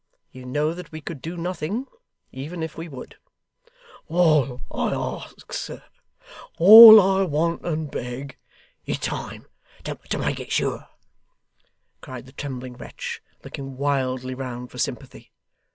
You know that we could do nothing, even if we would.' 'All I ask, sir, all I want and beg, is time, to make it sure,' cried the trembling wretch, looking wildly round for sympathy.